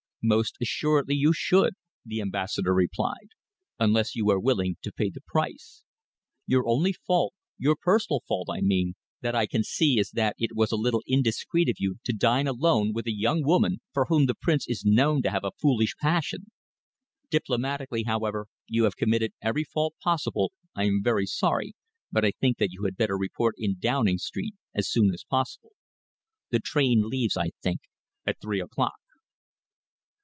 "Most assuredly you should," the Ambassador replied, "unless you were willing to pay the price. Your only fault your personal fault, I mean that I can see is that it was a little indiscreet of you to dine alone with a young woman for whom the Prince is known to have a foolish passion. Diplomatically, however, you have committed every fault possible, I am very sorry, but I think that you had better report in Downing Street as soon as possible. The train leaves, I think, at three o'clock."